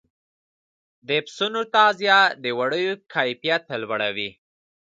د پسونو تغذیه د وړیو کیفیت لوړوي.